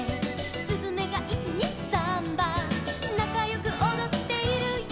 「すずめが１・２・サンバ」「なかよくおどっているよ」